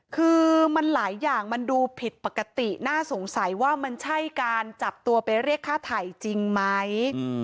คือมันหลายอย่างมันดูผิดปกติน่าสงสัยว่ามันใช่การจับตัวไปเรียกค่าไถ่จริงไหม